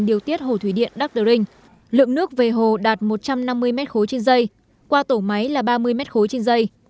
điều tiết hồ thủy điện đắc đu rinh lượng nước về hồ đạt một trăm năm mươi m ba trên dây qua tổ máy là ba mươi m ba trên dây